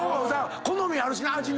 好みあるしな味の。